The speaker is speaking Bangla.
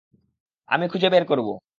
আমি খুঁজে বের করবো।